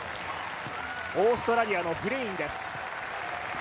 オーストラリアのフレインです。